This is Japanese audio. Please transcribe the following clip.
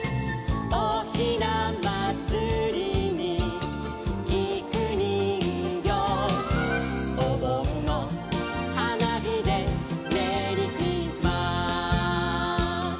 「おひなまつりにきくにんぎょう」「おぼんのはなびでメリークリスマス」